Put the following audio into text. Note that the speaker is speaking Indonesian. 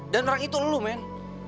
dan orang itu lu men